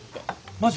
マジ？